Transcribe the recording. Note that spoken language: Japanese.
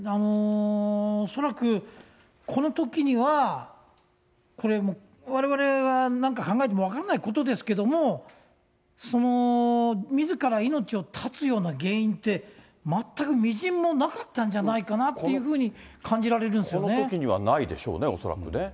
恐らくこのときには、これわれわれがなんか考えても分からないことですけれども、自ら命を絶つような原因って、全くみじんもなかったんじゃないかなっていうふうに感じられるんこのときにはないでしょうね、恐らくね。